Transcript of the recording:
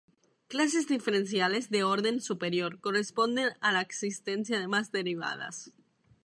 Clases diferenciales de orden superior corresponden a la existencia de más derivadas.